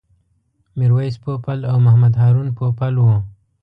میرویس پوپل او محمد هارون پوپل و.